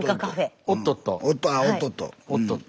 ああ「おっとっと」。